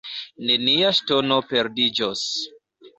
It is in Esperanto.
Nenia ŝtono perdiĝos.